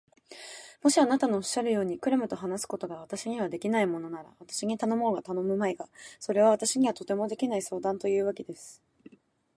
もしあなたのおっしゃるように、クラムと話すことが私にはできないものなら、私に頼もうが頼むまいが、それは私にはとてもできない相談というわけです。